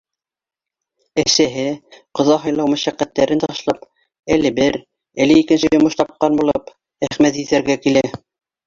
Әсәһе, ҡоҙа һыйлау мәшәҡәттәрен ташлап, әле бер, әле икенсе йомош тапҡан булып, Әхмәҙиҙәргә килә.